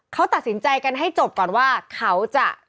เขาตัดสินใจกันให้จบก่อนว่าเขาจะ